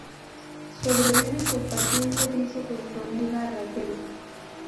Sobrevive compartiendo piso con su amiga Raquel.